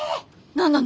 何なの？